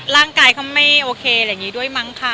ร่างกายเขาไม่ออเคด้วยมั้งคะ